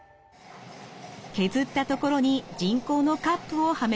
削った所に人工のカップをはめ込みます。